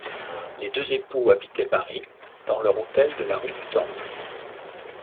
Les deux époux habitaient Paris, dans leur hôtel de la rue du Temple.